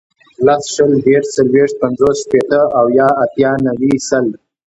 لس, شل, دېرش, څلوېښت, پنځوس, شپېته, اویا, اتیا, نوي, سل